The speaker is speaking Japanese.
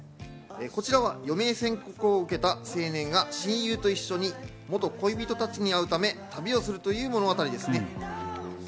こちらは余命宣告を受けた青年が親友と一緒に元恋人たちに会うため旅をするという物語ですね。